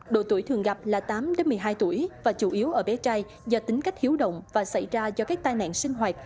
độ tuổi thường gặp là tám một mươi hai tuổi và chủ yếu ở bé trai do tính cách hiếu động và xảy ra do các tai nạn sinh hoạt